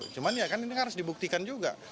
cuman ya kan ini harus dibuktikan juga